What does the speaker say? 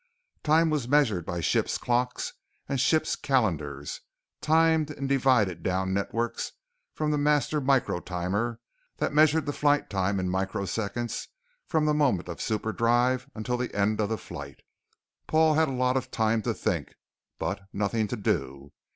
Time was measured by ship's clocks and ship's calendars, timed in divide down networks from the master micro timer that measured the flight time in microseconds from the moment of superdrive until the end of the flight. Paul had a lot of time to think, but nothing to do.